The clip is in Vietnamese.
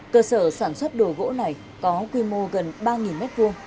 cơ sở sản xuất đồ gỗ này có quy mô gần ba m hai